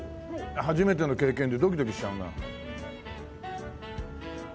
初めての経験でドキドキしちゃうな。